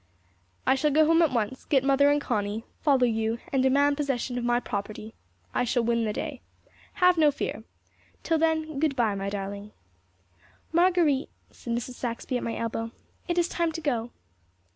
"I shall go home at once, get Mother and Connie, follow you, and demand possession of my property. I shall win the day. Have no fear. Till then, good bye, my darling." "Marguerite," said Mrs. Saxby at my elbow, "it is time to go."